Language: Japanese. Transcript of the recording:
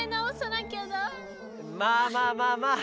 まあまあまあまあ。